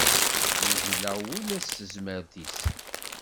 Yegla ula s tezmert-is